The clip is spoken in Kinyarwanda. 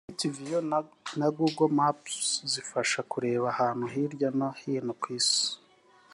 street view na google maps zifasha kureba ahantu hirya no hino ku isi